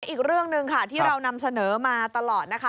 อีกเรื่องหนึ่งค่ะที่เรานำเสนอมาตลอดนะคะ